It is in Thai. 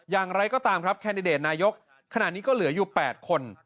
อย่างไรก็ตามครับแคนดิเดตนายกขณะนี้ก็เหลืออยู่๘คน